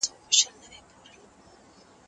تاسي کولای شئ خپل نظر په ازاده توګه څرګند کړئ.